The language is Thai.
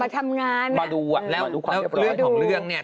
มาทำงานมาดูอ่ะมาดูความเกี่ยวของเรื่องเนี่ย